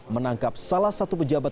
menangkap salah satu pejabat